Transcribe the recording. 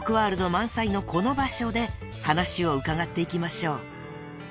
満載のこの場所で話を伺っていきましょう］